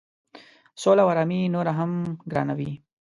سوله او آرامي نوره هم ګرانوي.